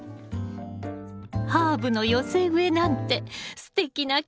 ハーブの寄せ植えなんてすてきな記念になりそう！